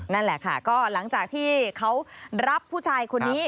นั่นแหละค่ะก็หลังจากที่เขารับผู้ชายคนนี้